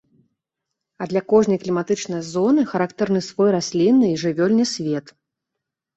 А для кожнай кліматычнай зоны характэрны свой раслінны і жывёльны свет.